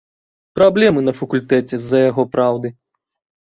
Праблемы на факультэце з-за яго праўды.